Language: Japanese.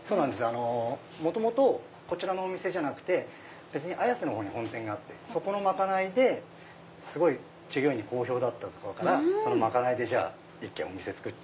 元々こちらのお店じゃなくて綾瀬のほうに本店があってそこの賄いですごい従業員に好評だったところからその賄いで一軒お店作っ